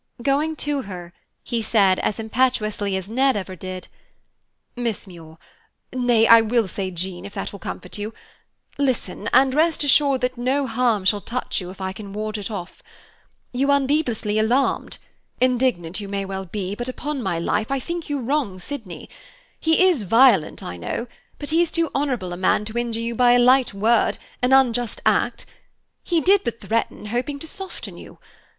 Going to her, he said as impetuously as Ned ever did, "Miss Muir nay, I will say Jean, if that will comfort you listen, and rest assured that no harm shall touch you if I can ward it off. You are needlessly alarmed. Indignant you may well be, but, upon my life, I think you wrong Sydney. He is violent, I know, but he is too honorable a man to injure you by a light word, an unjust act. He did but threaten, hoping to soften you.